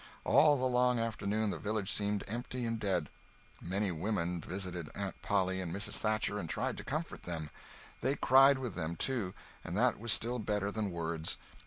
All the long afternoon the village seemed empty and dead. Many women visited Aunt Polly and Mrs. Thatcher and tried to comfort them. They cried with them, too, and that was still better than words.